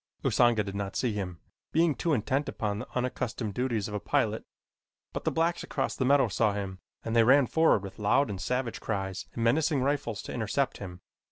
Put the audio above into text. Usanga did not see him, being too intent upon the unaccustomed duties of a pilot, but the blacks across the meadow saw him and they ran forward with loud and savage cries and menacing rifles to intercept him.